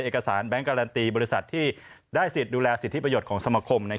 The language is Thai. เอกสารแบงค์การันตีบริษัทที่ได้สิทธิ์ดูแลสิทธิประโยชน์ของสมคม